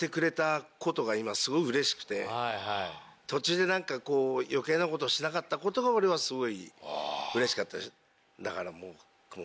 途中で余計なことしなかったことが俺はすごいうれしかったです。